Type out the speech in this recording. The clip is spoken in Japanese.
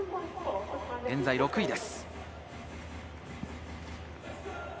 現在６位です。